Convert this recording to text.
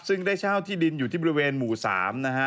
ซึ่งได้เช่าที่ดินอยู่ที่บริเวณหมู่๓นะฮะ